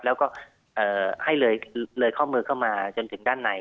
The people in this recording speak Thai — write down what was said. แล้วก็ให้เลยข้อมือเข้ามาจนถึงด้านใน